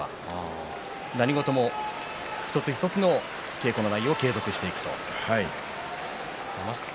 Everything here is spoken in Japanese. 何事も一つ一つの稽古の内容を継続していくということですね。